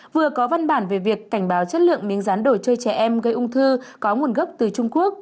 vừa có văn bản về việc cảnh báo chất lượng miếng rán đồ chơi trẻ em gây ung thư có nguồn gốc từ trung quốc